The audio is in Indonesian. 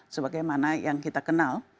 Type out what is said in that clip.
sebagai mana yang kita kenal